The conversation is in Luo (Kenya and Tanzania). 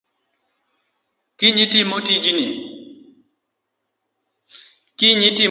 Kinya timo tijni.